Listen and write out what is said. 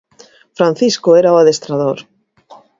Francisco era o adestrador.